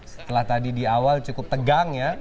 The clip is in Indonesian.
setelah tadi di awal cukup tegang ya